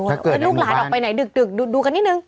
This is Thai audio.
แล้วลูกหลานออกไปไหนดึกดูกันนิดนึง